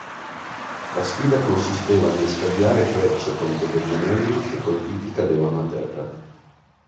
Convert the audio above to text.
La sfida consisteva nel scagliare frecce contro degli anelli che colpiti cadevano a terra.